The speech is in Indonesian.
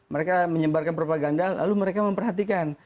mereka menyebarkan propaganda lalu mereka memperhatikan